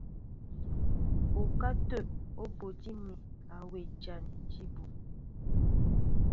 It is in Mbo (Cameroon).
Ukátə̂ ú bútí mi a wɛ jǎn jí bú.